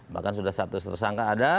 bahkan sudah status tersangka ada